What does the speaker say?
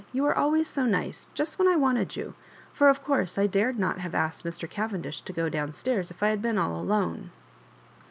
"You are always so nice just when I wanted you ,* for, of course, I dared not have asked Mr. Cavendish to go down stairs if I had been all alone."